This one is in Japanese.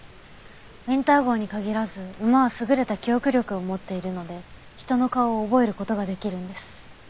ウィンター号に限らず馬は優れた記憶力を持っているので人の顔を覚える事ができるんです。